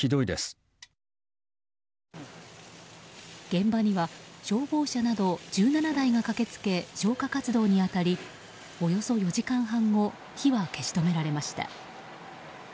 現場には消防車など１７台が駆けつけ消火活動に当たりおよそ４時間半後火は消し止められました。